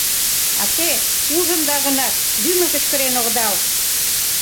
— А те, ужында гынат, лӱмын кычкырен одал.